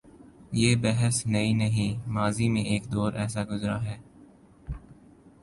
یہ بحث نئی نہیں، ماضی میں ایک دور ایسا گزرا ہے۔